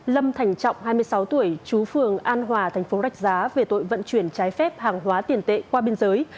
lâm thành trọng hai mươi sáu tuổi chú phường an hòa tp rách giá về tội vận chuyển trái phép hàng hóa tiền tệ qua biên giới